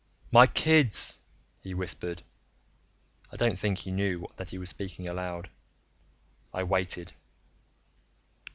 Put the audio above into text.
"My kids," he whispered. I don't think he knew that he was speaking aloud. I waited.